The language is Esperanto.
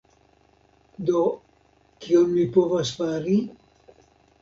Do, kion mi povas fari?